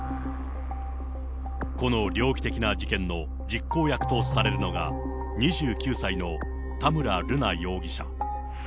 この猟奇的な事件の実行役とされるのが、２９歳の田村瑠奈容疑者。